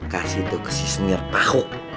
kasih tuh ke si senyir tahu